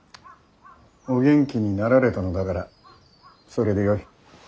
お元気になられたのだからそれでよい。